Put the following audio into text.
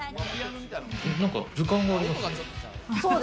なんか図鑑がありますね。